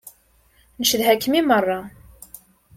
Ncedha-kem i meṛṛa.